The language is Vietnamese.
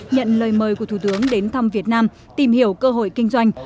nhận lời mời của thủ tướng đến thăm việt nam tìm hiểu cơ hội kinh doanh